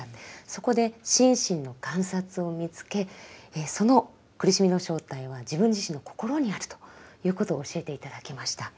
そこで心身の観察を見つけその苦しみの正体は自分自身の心にあるということを教えて頂きました。